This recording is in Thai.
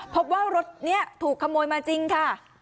พบว่ารถนี้ถูกขโมยมาจริงค่ะ